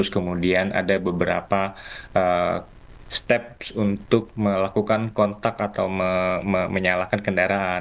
kemudian ada beberapa steps untuk melakukan kontak atau menyalakan kendaraan